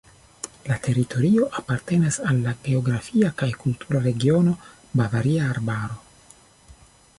La teritorio apartenas al la geografia kaj kultura regiono Bavaria Arbaro.